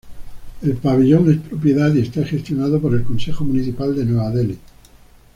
El pabellón es propiedad y está gestionado por el Consejo Municipal de Nueva Delhi.